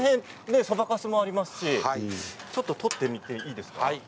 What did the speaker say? そばかすもありますし取ってみていいですか？